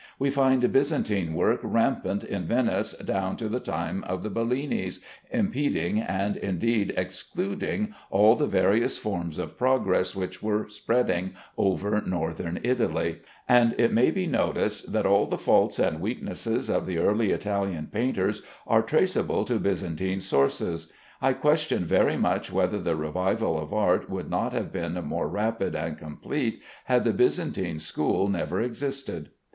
We find Byzantine work rampant in Venice down to the time of the Bellinis, impeding and indeed excluding all the various forms of progress which were spreading over Northern Italy; and it may be noticed that all the faults and weaknesses of the early Italian painters are traceable to Byzantine sources. I question very much whether the revival of art would not have been more rapid and complete had the Byzantine school never existed.